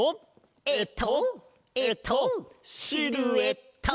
えっとえっとシルエット！